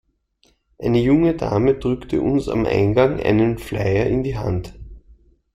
Eine junge Dame drückte uns am Eingang einen Flyer in die Hand.